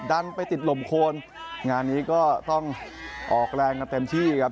ดันไปติดลมโคนงานนี้ก็ต้องออกแรงกันเต็มที่ครับ